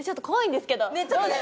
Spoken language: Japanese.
ねっちょっとね